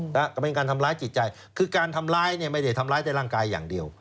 ก็เป็นการทำร้ายจิตใจคือการทำร้ายเนี่ยไม่ได้ทำร้ายแต่ร่างกายอย่างเดียว